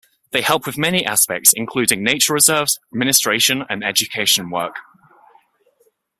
They help with many aspects including nature reserves, administration and education work.